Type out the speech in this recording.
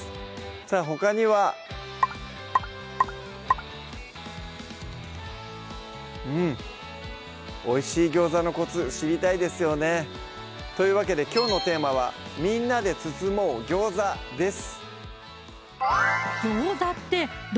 さぁほかにはうんおいしい餃子のコツ知りたいですよねというわけできょうのテーマは「みんなで包もう！餃子」です